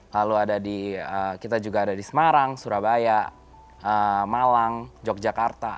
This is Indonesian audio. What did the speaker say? lalu ada di kita juga ada di semarang surabaya malang yogyakarta